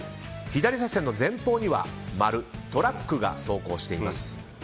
左車線の前方にはトラックが走行しています。